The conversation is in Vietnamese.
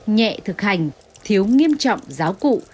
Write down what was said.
nhẹ thực hành thiếu nghiêm trọng giáo cụ